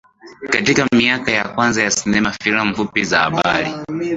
Katika miaka ya kwanza ya sinema filamu fupi za habari